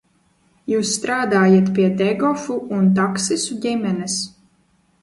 Jūs strādājat pie Degofu un Taksisu ģimenes?